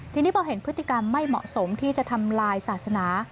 ทีนี้พอเห็นพฤติกรรมไม่เหมาะสมที่จะทำลายศาสนา